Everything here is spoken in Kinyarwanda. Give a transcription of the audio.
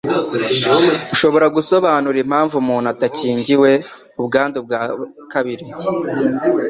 Ushobora gusobanura impamvu umuntu atakingiwe ubwandu bwa kabiri.